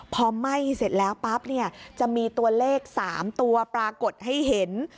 พอไหม้เสร็จแล้วปั๊บเนี่ยจะมีตัวเลข๓ตัวปรากฏให้เห็น